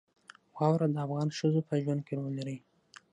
واوره د افغان ښځو په ژوند کې رول لري.